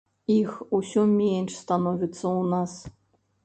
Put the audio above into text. Іх усё менш становіцца ў нас.